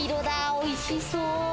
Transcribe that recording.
おいしそう。